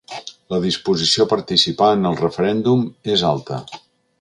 La disposició a participar en el referèndum és alta.